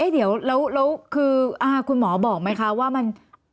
เดี๋ยวแล้วคือคุณหมอบอกไหมคะว่ามัน